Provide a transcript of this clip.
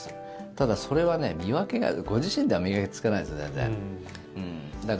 ただ、それはご自身では見分けがつかないんです、全然。